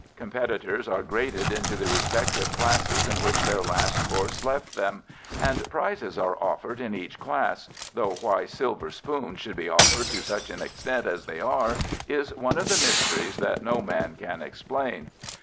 Competitors are graded into the respective classes in which their last course left them, and prizes are offered in each class, though why silver spoons should be offered to such an extent as they are is one of the mysteries that no man can explain.